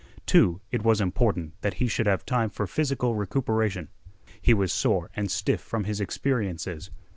Too it was important that he should have time for physical recuperation. He was sore and stiff from his experiences.